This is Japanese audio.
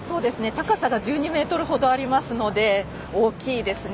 高さが１２ｍほどありますので大きいですね。